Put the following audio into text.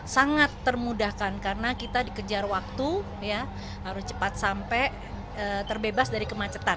sangat termudahkan karena kita dikejar waktu harus cepat sampai terbebas dari kemacetan